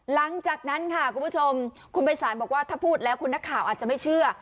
หลังจากนั้นค่ะคุณผู้ชมคุณภัยศาลบอกว่าถ้าพูดแล้วคุณนักข่าวอาจจะไม่เชื่อ